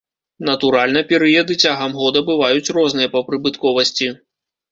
Натуральна, перыяды цягам года бываюць розныя па прыбытковасці.